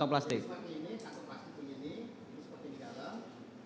satu plastik begini ini seperti di dalam